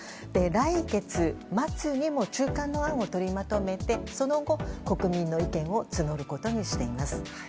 来月末にも中間の案を取りまとめてその後、国民の意見を募ることにしています。